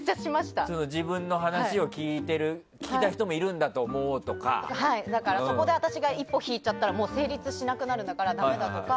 自分の話を聞きたい人もだから、そこで私が一歩引いちゃったら成立しなくなるんだからダメだとか。